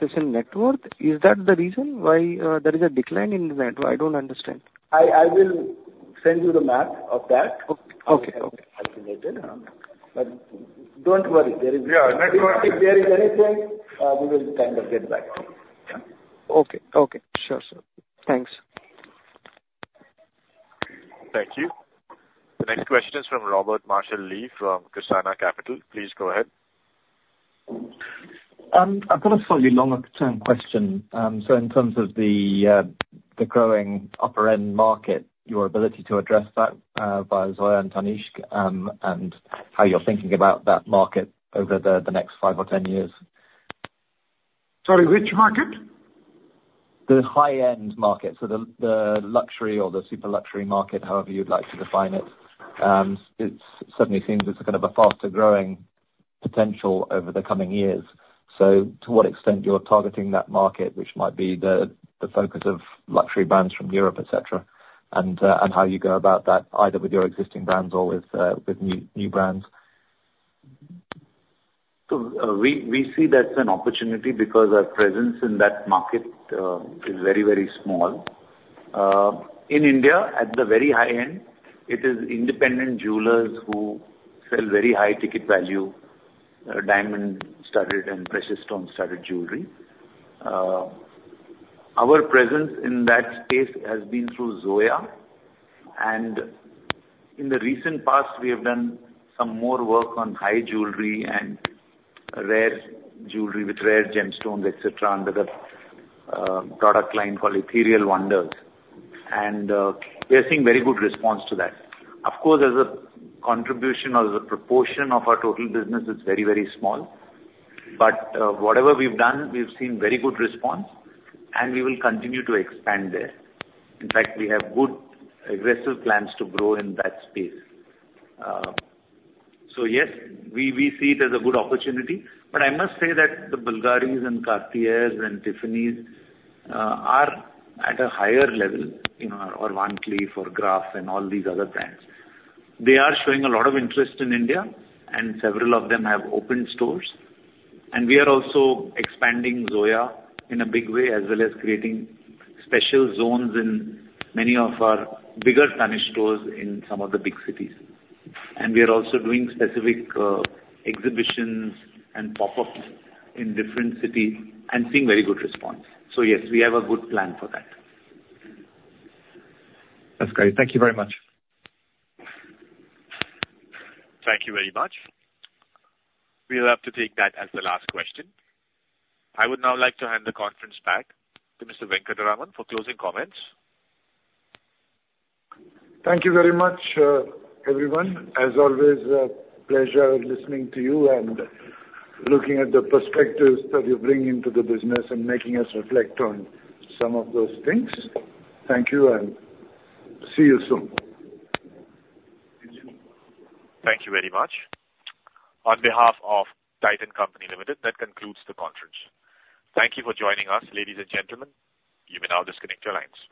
this in net worth? Is that the reason why there is a decline in the net worth? I don't understand. I will send you the map of that. Okay. Okay. Okay. If it's calculated, huh? But don't worry. There is. Yeah. Net worth. If there is anything, we will kind of get back to you. Yeah? Okay. Okay. Sure, sir. Thanks. Thank you. The next question is from Robert Marshall-Lee from Cusana Capital. Please go ahead. I'm going to ask a longer-term question. So in terms of the growing upper-end market, your ability to address that, via Zoya and Tanishq, and how you're thinking about that market over the next five or 10 years? Sorry. Which market? The high-end market. So the luxury or the super-luxury market, however you'd like to define it. It certainly seems it's a kind of faster-growing potential over the coming years. So to what extent you're targeting that market, which might be the focus of luxury brands from Europe, etc., and how you go about that either with your existing brands or with new brands? So, we see that's an opportunity because our presence in that market is very, very small. In India, at the very high end, it is independent jewelers who sell very high-ticket value, diamond-studded and precious-stone-studded jewelry. Our presence in that space has been through Zoya. And in the recent past, we have done some more work on high jewelry and rare jewelry with rare gemstones, etc., under the product line called Ethereal Wonders. And we are seeing very good response to that. Of course, as a contribution or as a proportion of our total business, it's very, very small. But whatever we've done, we've seen very good response. And we will continue to expand there. In fact, we have good, aggressive plans to grow in that space. So yes, we see it as a good opportunity. I must say that the Bulgari, Cartier, and Tiffany are at a higher level than Van Cleef or Graff and all these other brands. They are showing a lot of interest in India. We are also expanding Zoya in a big way as well as creating special zones in many of our bigger Tanishq stores in some of the big cities. We are also doing specific exhibitions and pop-ups in different cities and seeing very good response. Yes, we have a good plan for that. That's great. Thank you very much. Thank you very much. We'll have to take that as the last question. I would now like to hand the conference back to Mr. Venkataraman for closing comments. Thank you very much, everyone. As always, pleasure listening to you and looking at the perspectives that you bring into the business and making us reflect on some of those things. Thank you. See you soon. Thank you very much. On behalf of Titan Company Limited, that concludes the conference. Thank you for joining us, ladies and gentlemen. You may now disconnect your lines.